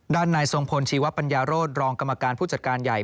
ด้านในส่งผลชีวปัญญารถรองกรรมการผู้จัดการใหญ่